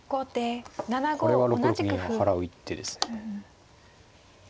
これは６六銀を払う一手ですね。